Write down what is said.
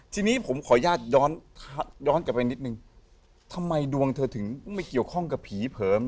ทีนี้ผมขออนุญาตย้อนกลับไปนิดนึงทำไมดวงเธอถึงไม่เกี่ยวข้องกับผีผม